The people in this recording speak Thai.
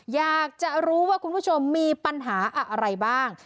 อยากจะรู้ว่าคุณผู้ชมมีปัญหาอะไรบ้าง